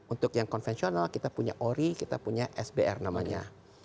untuk yang konvensional kita punya ori kita punya sbr namanya